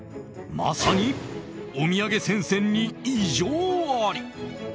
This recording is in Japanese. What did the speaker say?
まさに、お土産戦線に異常あり。